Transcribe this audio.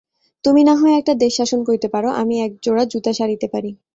তুমি না হয় একটা দেশ শাসন করিতে পার, আমি একজোড়া জুতা সারিতে পারি।